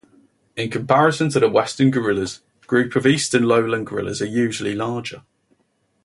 In comparison to the Western Gorillas, groups of eastern lowland gorillas are usually larger.